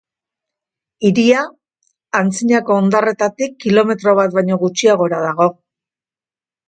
Hiria antzinako hondarretatik kilometro bat baino gutxiagora dago.